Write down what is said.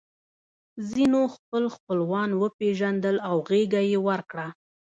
ځینو خپل خپلوان وپېژندل او غېږه یې ورکړه